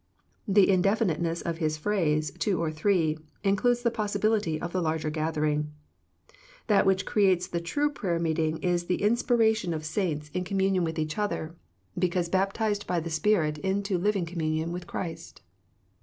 The indefiniteness of His phrase " two or three " includes the possi bility of the larger gathering. That which creates the true prayer meeting is the inspiration of saints THE PEACTICE OF PEAYEE 109 in communion with each other, because baptized b}^ the Spirit into living communion with Christ.